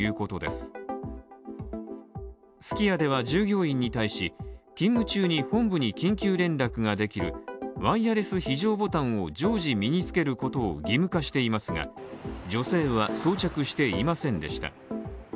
すき家では従業員に対し、勤務中に本部に緊急連絡ができるワイヤレス非常ボタンを常時身につけることを義務化していますが、女性は装着していませんでした。